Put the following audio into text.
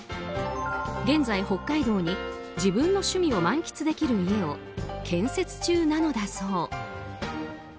現在、北海道に自分の趣味を満喫できる家を建設中なのだそう。